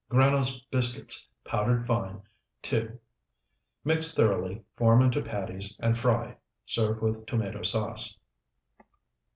Granose biscuits, powdered fine, 2. Mix thoroughly, form into patties, and fry. Serve with tomato sauce.